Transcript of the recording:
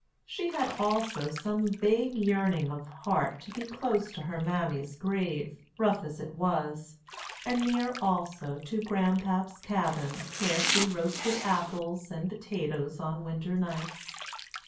She had also some vague yearning of heart to be close to her mammy's grave, rough as it was; and near also to Grandpap's cabin, where she roasted apples and potatoes on winter nights.